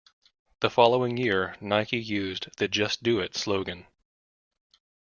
The following year, Nike used the Just Do It slogan.